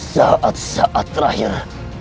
saat saat terakhir